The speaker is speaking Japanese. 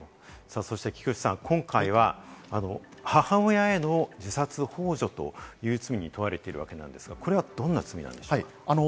菊地さん、今回は母親への自殺ほう助という罪に問われているわけなんですが、これはどんな罪ですか？